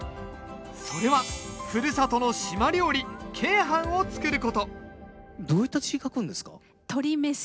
それはふるさとの島料理ケイハンを作ることどういった字書くんですか？